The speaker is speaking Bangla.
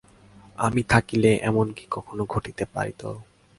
আমি থাকিলে এমন কি কখনো ঘটিতে পারিত?